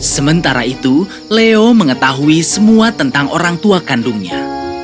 sementara itu leo mengetahui semua tentang orang tua kandungnya